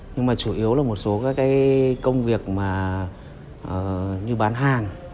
nhưng mà chủ yếu là một số công việc như bán hàng